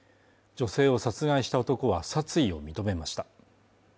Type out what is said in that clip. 女性を殺害した男は殺意を認めました